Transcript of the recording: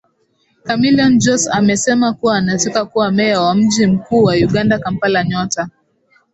Chameleon Jose amesema kuwa anataka kuwa Meya wa mji mkuu wa Uganda Kampala Nyota